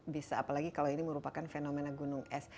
bisa apalagi kalau ini merupakan fenomena gunung es